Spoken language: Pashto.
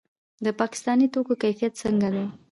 د پاکستاني توکو کیفیت څنګه دی؟